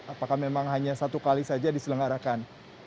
apakah memang hanya satu kali saja diselenggarakan